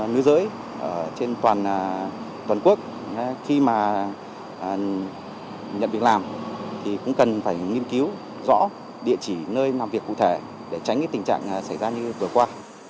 nữ giới trên toàn quốc khi mà nhận việc làm thì cũng cần phải nghiên cứu rõ địa chỉ nơi làm việc cụ thể để tránh tình trạng xảy ra như vừa qua